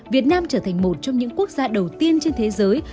việt nam trở thành một trong những quốc gia đầu tiên trên thế giới